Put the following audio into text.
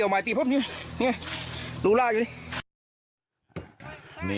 แกไว้